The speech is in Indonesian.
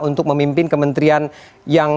untuk memimpin kementerian yang